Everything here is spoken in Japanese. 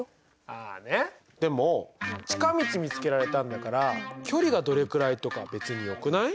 ああねでも近道見つけられたんだから距離がどれくらいとか別によくない？